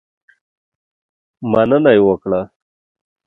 مننه یې وکړه.